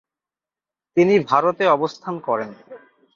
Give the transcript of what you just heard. তিনি ভারতে অবস্থান করেন।